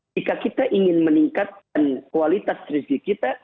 jika kita ingin meningkatkan kualitas rezeki kita